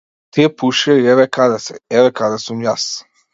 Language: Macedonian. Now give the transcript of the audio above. Тие пушеа и еве каде се, еве каде сум јас.